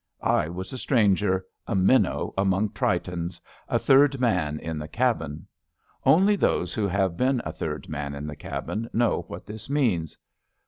I was a stranger — a minnow among Tritons — a third man in the cabin. Only those who have been a third man in the cabin know what this means.